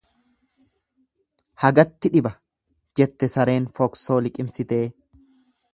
"""Hagatti dhiba"" jette sareen foksoo liqimsitee."